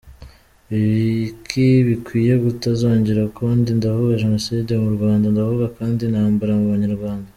Ibiki bikwiye kutazongera ukundi, ndavuga genocide mu Rwanda, ndavuga kandi intambara mu banyarwanda.